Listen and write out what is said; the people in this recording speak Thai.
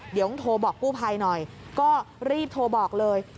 เดี๋ยวต้องโทรบอกกู้ภัยหน่อยก็รีบโทรบอกเลย